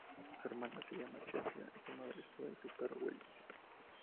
Su hermana se llama Chelsea, su madre Sue y su perro Willis.